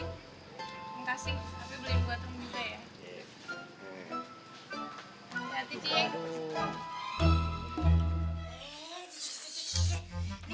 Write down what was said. udah deh nih cing